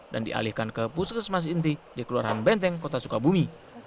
dan dialihkan ke puskesmas inti dikeluaran benteng kota sukabumi